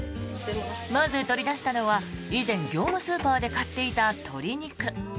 まず取り出したのは以前、業務スーパーで買っていた鶏肉。